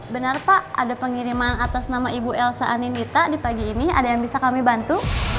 benar pak ada pengiriman atas nama ibu elsa aninita di pagi ini ada yang bisa kami bantu